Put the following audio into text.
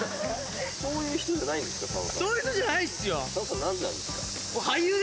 そういう人じゃないっすよ。